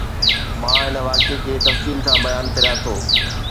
مان هن واقعي کي تفصيل سان بيان ڪريان ٿو